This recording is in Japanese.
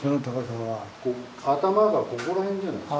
頭がここら辺じゃないですか。